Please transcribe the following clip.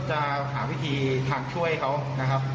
จะหาวิธีทางช่วยเขานะครับ